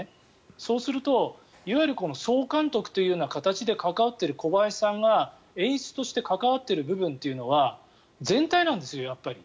そうするといわゆる総監督という形で関わっている小林さんが演出として関わっている部分というのは全体なんですよ、やっぱり。